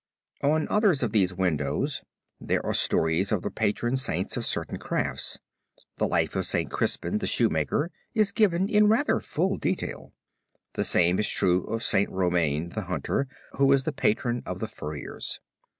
On others of these windows there are the stories of the Patron Saints of certain crafts. The life of St. Crispin the shoemaker is given in rather full detail. The same is true of St. Romain the hunter who was the patron of the furriers.